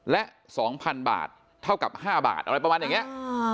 และ๒๐๐๐บาทเท่ากับ๕บาทอะไรประมาณอย่างนี้